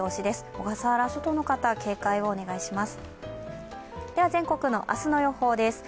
小笠原諸島の方、警戒をお願いします。